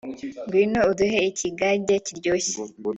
ngwino uduhe ikigage kiryoshye